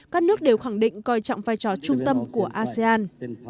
các nước đều khẳng định coi trọng vai trò trung tâm của asean